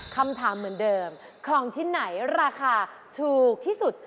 คำถามเหมือนเดิมของชิ้นไหนราคาถูกที่สุด